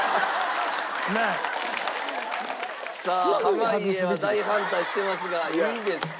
濱家は大反対してますがいいですか？